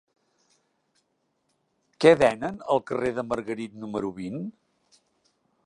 Què venen al carrer de Margarit número vint?